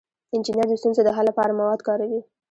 انجینر د ستونزو د حل لپاره مواد کاروي.